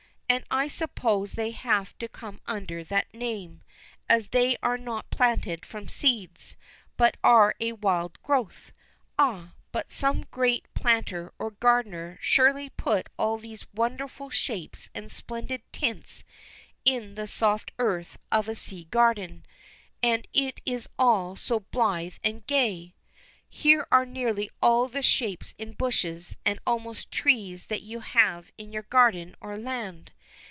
And I suppose they have to come under that name, as they are not planted from seeds, but are a wild growth. Ah, but some great Planter or Gardener surely put all these wonderful shapes and splendid tints in the soft earth of a sea garden. And it is all so blithe and gay! Here are nearly all the shapes in bushes and almost trees that you have in your garden on land.